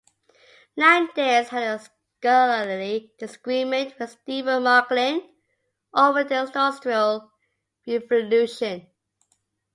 Landes had a scholarly disagreement with Stephen Marglin over the Industrial Revolution.